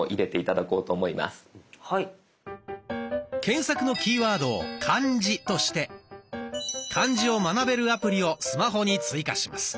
検索のキーワードを「漢字」として漢字を学べるアプリをスマホに追加します。